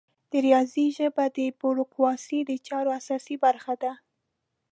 د ریاضي ژبه د بروکراسي د چارو اساسي برخه ده.